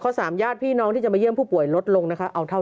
เพราะสามญาติพี่น้องที่จะมาเยี่ยมผู้ป่วยลดลงนะคะเอาเท่า